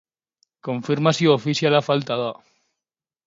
Konfirmazio ofiziala falta da.